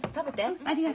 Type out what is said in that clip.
ありがと。